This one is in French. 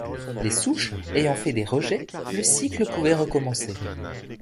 Les souches ayant fait des rejets, le cycle pouvait recommencer.